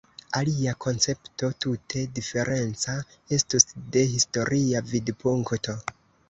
Alia koncepto tute diferenca estus de historia vidpunkto.